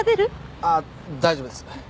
ああ大丈夫です。